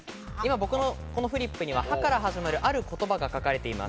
僕のフリップには「ハ」から始まる、ある言葉が書かれています。